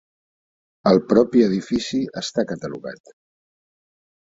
El propi edifici està catalogat.